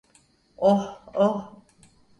Oh, oh!